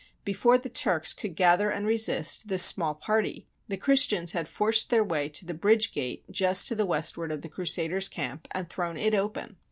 Before the Turks could gather and resist this small party, the Chris tians had forced their way to the bridge gate just to the westward of the Crusaders' camp and thrown it open.